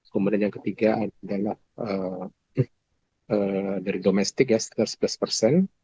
kemudian yang ketiga adalah dari domestik ya sekitar sebelas persen